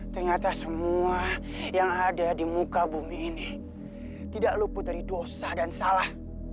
ternyata semua yang ada di muka bumi ini tidak luput dari dosa dan salah